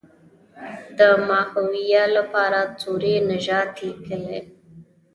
د ماهویه لپاره سوري نژاد لیکلی.